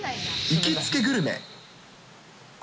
行きつけグルメ。